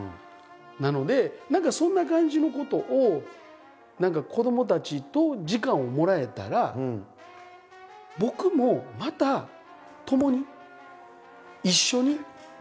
なので何かそんな感じのことを何か子どもたちと時間をもらえたら僕もまたともに一緒に。